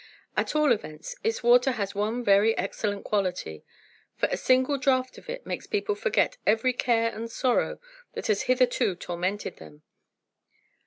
"At all events, its water has one very excellent quality; for a single draught of it makes people forget every care and sorrow that has hitherto tormented them.